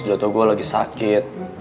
jatuh gue lagi sakit